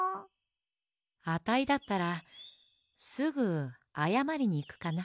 あたいだったらすぐあやまりにいくかな。